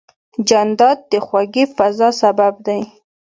جانداد د خوږې فضا سبب دی.